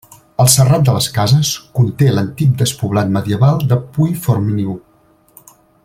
El Serrat de les Cases conté l'antic despoblat medieval de Puiforniu.